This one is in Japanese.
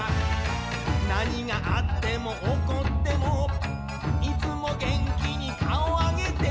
「何があっても起こっても」「いつも元気に顔上げて」